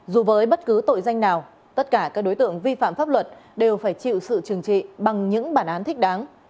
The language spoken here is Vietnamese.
dù với bất cứ tội danh nào tất cả các đối tượng vi phạm pháp luật đều phải chịu sự trừng trị bằng những bản án thích đáng